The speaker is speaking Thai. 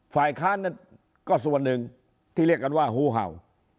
ฝ่ายค้านนั้นก็ส่วนหนึ่งที่เรียกกันว่าฮูเห่า